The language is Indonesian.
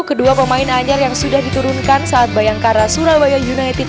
kedua pemain anyar yang sudah diturunkan saat bayangkara surabaya united